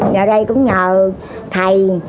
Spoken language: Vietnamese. nhờ đây cũng nhờ thầy